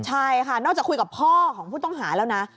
ใช่ค่ะนอกจากคุยกับพ่อของผู้ต้องหาแล้วนะ